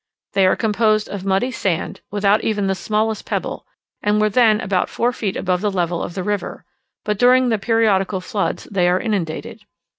They are composed of muddy sand, without even the smallest pebble, and were then about four feet above the level of the river; but during the periodical floods they are inundated.